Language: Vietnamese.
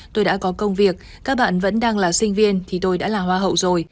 tôi đã có công việc các bạn vẫn đang là sinh viên thì tôi đã là hoa hậu rồi